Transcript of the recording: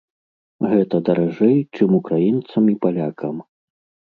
Гэта даражэй, чым украінцам і палякам.